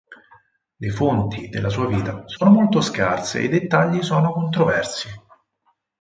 Le fonti della sua vita sono molto scarse e i dettagli sono controversi.